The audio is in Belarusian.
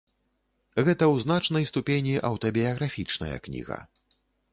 Гэта ў значнай ступені аўтабіяграфічная кніга.